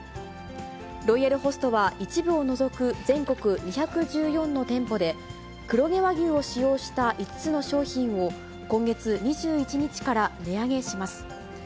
ロイヤルホストは一部を除く全国２１４の店舗で、黒毛和牛を使用した５つの商品を、今月２１日から値上げします。